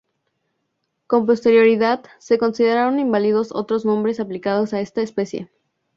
Con posterioridad, se consideraron inválidos otros nombres aplicados a esta especie.